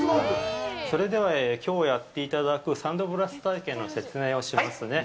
それでは、きょうやっていただくサンドブラスト体験の説明をしますね。